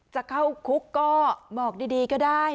จะเข้าคุกก็บอกดีก็ได้